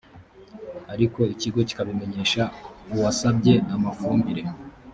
ariko ikigo kikabimenyesha uwasabye amafumbire